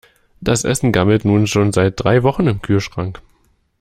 Das Essen gammelt nun schon seit drei Wochen im Kühlschrank.